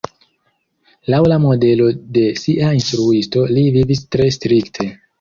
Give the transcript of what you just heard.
Laŭ la modelo de sia instruisto li vivis tre strikte.